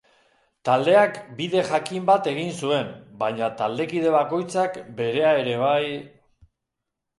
Taldeak bide jakin bat egin zuen, baina taldekide bakoitzak berea ere bai...